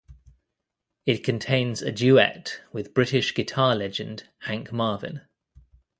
It contains a duet with British guitar legend Hank Marvin.